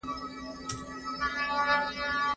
خدای په سخته کي بنده نه پرېږدي.